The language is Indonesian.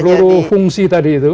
seluruh fungsi tadi itu